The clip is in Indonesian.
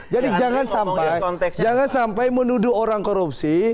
jadi jangan sampai menuduh orang korupsi